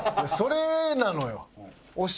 それなのよ。